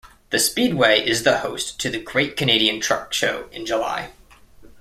The Speedway is the host to the Great Canadian Truck Show in July.